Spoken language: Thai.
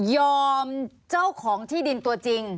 เจ้าของที่ดินตัวจริง